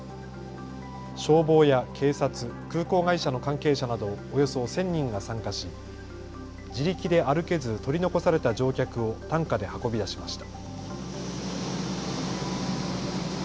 消防や警察、空港会社の関係者などおよそ１０００人が参加し自力で歩けず取り残された乗客を担架で運び出しました。